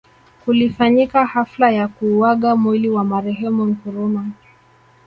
Kulifanyika hafla ya kuuaga mwili wa marehemu Nkrumah